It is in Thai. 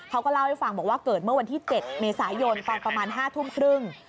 เขาก็เล่าให้ฟังบอกว่าเกิดเมื่อวันที่๗เมษายนตอนประมาณ๕ทุ่มครึ่ง